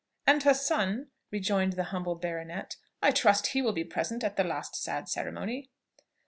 "And her son?" rejoined the humbled baronet; "I trust he will be present at the last sad ceremony?"